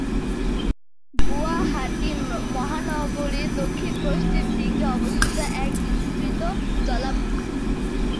গুয়াহাটি মহানগরীর দক্ষিণ পশ্চিম দিকে অবস্থিত এক বিস্তৃত জলাভূমি।